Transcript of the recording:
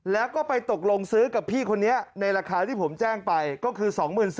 แล้วก็ไปตกลงซื้อกับพี่คนนี้ในราคาที่ผมแจ้งไปก็คือ๒๔๐๐